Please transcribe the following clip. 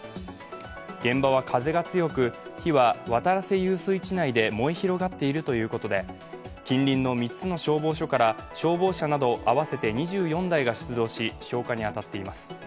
現場は風が強く、火は渡良瀬遊水地内で燃え広がっているということで近隣の３つの消防署から消防車など合わせて２４台が出動し消火に当たっています。